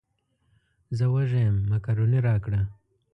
زه وږی یم مېکاروني راکړه.